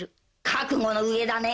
覚悟の上だね？